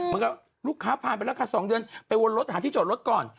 มันก็ลูกค้าผ่านไปแล้วค่ะ๒เดือนไปวนรถหาที่จอดรถก่อน